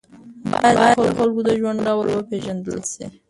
باید د خلکو د ژوند ډول وپېژندل شي.